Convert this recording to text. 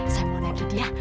saya mau naik ke dia